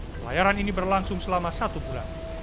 pelayaran ini berlangsung selama satu bulan